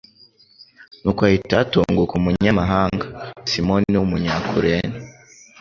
Nuko hahita hatunguka umunyamahanga, Simoni w'umunyakurene,